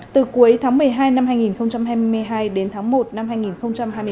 từ cuối tháng một mươi hai năm hai nghìn hai mươi hai đến tháng một năm hai nghìn hai mươi bốn